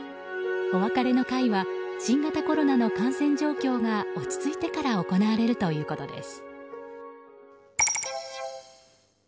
お別れの会は新型コロナの感染状況が落ち着いてから行われるということです。